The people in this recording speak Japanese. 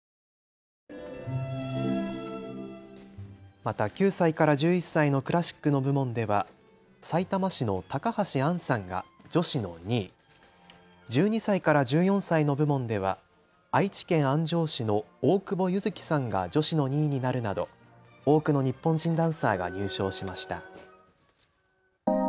また９歳から１１歳のクラシックの部門ではさいたま市の高橋杏さんが女子の２位、１２歳から１４歳の部門では愛知県安城市の大久保柚希さんが女子の２位になるなど多くの日本人ダンサーが入賞しました。